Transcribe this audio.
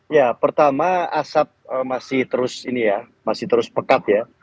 ya pertama asap masih terus ini ya masih terus pekat ya